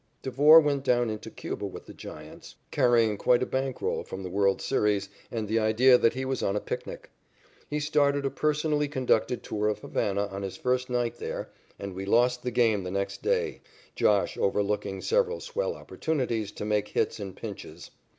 Devore went down into Cuba with the Giants, carrying quite a bank roll from the world's series, and the idea that he was on a picnic. He started a personally conducted tour of Havana on his first night there and we lost the game the next day, "Josh" overlooking several swell opportunities to make hits in pinches.